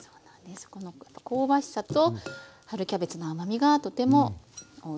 この香ばしさと春キャベツの甘みがとてもおいしいコールスローです。